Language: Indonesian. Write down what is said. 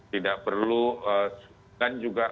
tidak perlu dan juga